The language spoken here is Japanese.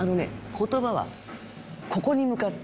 言葉はここに向かって。